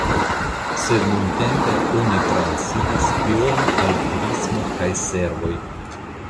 Sed nuntempe oni transiris iome al turismo kaj servoj.